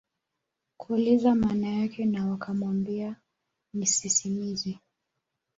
kuuliza maana yake na wakamwambia ni sisimizi